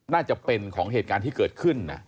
น่าจะเป็นของเหตุการณ์ที่เกิดขึ้น